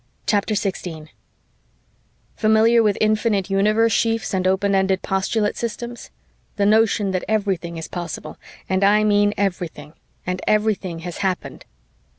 CHAPTER 16 "Familiar with infinite universe sheafs and open ended postulate systems? the notion that everything is possible and I mean everything and everything has happened.